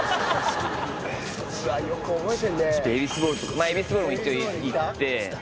まあエビスボウルも一応行って。